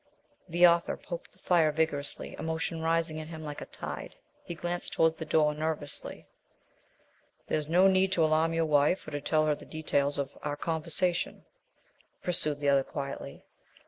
The author poked the fire vigorously, emotion rising in him like a tide. He glanced towards the door nervously. "There is no need to alarm your wife or to tell her the details of our conversation," pursued the other quietly.